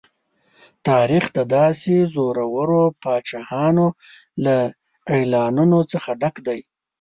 تاریخ د داسې زورورو پاچاهانو له اعلانونو څخه ډک دی.